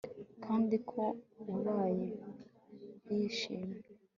kandi ko wabayeho yishimwe